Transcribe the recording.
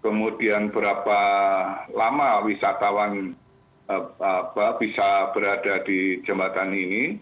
kemudian berapa lama wisatawan bisa berada di jembatan ini